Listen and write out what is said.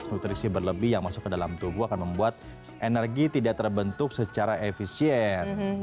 nutrisi berlebih yang masuk ke dalam tubuh akan membuat energi tidak terbentuk secara efisien